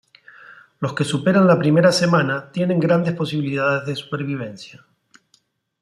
Los que superan la primera semana tienen grandes posibilidades de supervivencia.